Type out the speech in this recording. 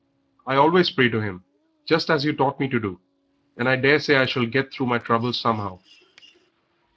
I always pray to him, just as you taught me to do, and I daresay I shall get through my trouble somehow."